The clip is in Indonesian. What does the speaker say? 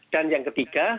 dan yang ketiga